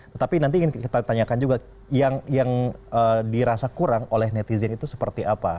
tetapi nanti ingin kita tanyakan juga yang dirasa kurang oleh netizen itu seperti apa